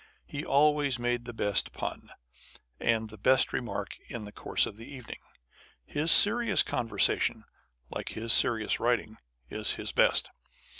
He always made the best pun, and the best remark in the course of the evening. His serious conversation, like his serious writing, is his best.